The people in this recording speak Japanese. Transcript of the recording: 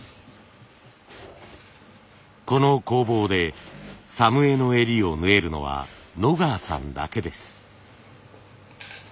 この工房で作務衣の襟を縫えるのは野川さんだけです。